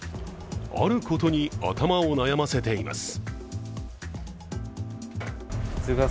あることに頭を悩ませています。